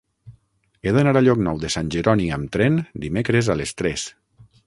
He d'anar a Llocnou de Sant Jeroni amb tren dimecres a les tres.